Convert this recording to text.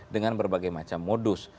dengan berbagai macam modus